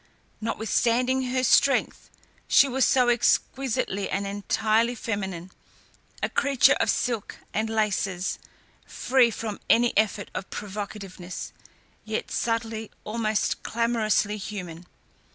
Notwithstanding her strength, she was so exquisitely and entirely feminine, a creature of silk and laces, free from any effort of provocativeness, yet subtly, almost clamorously human.